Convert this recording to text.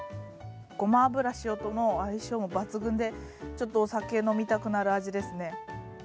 ごま油塩との相性も抜群で、ちょっとお酒が飲みたくなる味ですね。